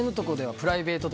プライベートとか。